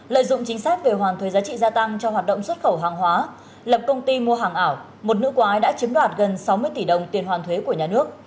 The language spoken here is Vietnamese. lợi dụng chính sách về hoàn thuế giá trị gia tăng cho hoạt động xuất khẩu hàng hóa lập công ty mua hàng ảo một nữ quái đã chiếm đoạt gần sáu mươi tỷ đồng tiền hoàn thuế của nhà nước